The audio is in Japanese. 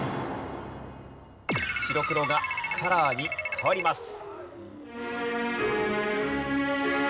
白黒がカラーに変わります。